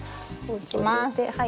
いきます。